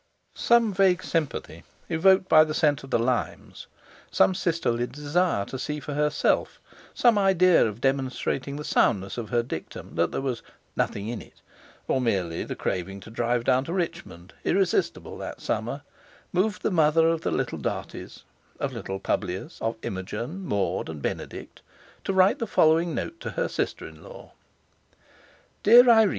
Some vague sympathy evoked by the scent of the limes, some sisterly desire to see for herself, some idea of demonstrating the soundness of her dictum that there was "nothing in it"; or merely the craving to drive down to Richmond, irresistible that summer, moved the mother of the little Darties (of little Publius, of Imogen, Maud, and Benedict) to write the following note to her sister in law: "June 30.